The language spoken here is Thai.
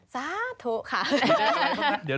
ซ้าาทุค่ะ